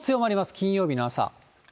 金曜日の朝。